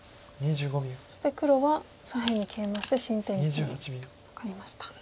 そして黒は左辺にケイマして新天地に向かいました。